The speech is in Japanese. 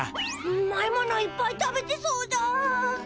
うまいものいっぱい食べてそうだ。